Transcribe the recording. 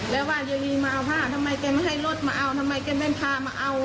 แล้วว่าอยู่ดีมาเอาผ้าทำไมแกไม่ให้รถมาเอาทำไมแกไม่พามาเอา